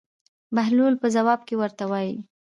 بهلول په ځواب کې ورته وایي.